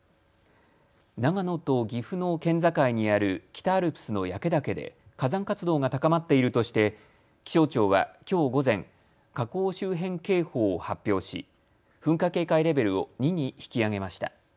長野と岐阜の県境にある北アルプスの焼岳で火山活動が高まっているとして気象庁はきょう午前、火口周辺警報を発表し噴火警戒レベルを２に引き上げました。